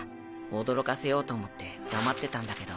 驚かせようと思って黙ってたんだけど。